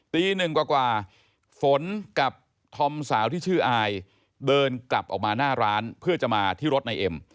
ตีหนึ่งกว่าฝนกับธอมสาวที่ชื่ออายเดินกลับออกมาหน้าร้านเพื่อจะมาที่รถนายเอ็ม